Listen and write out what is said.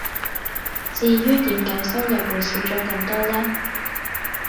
至於點解收入會少咗咁多呢?